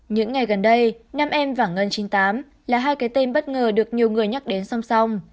những ngày gần đây nam em và ngân chín mươi tám là hai cái tên bất ngờ được nhiều người nhắc đến song song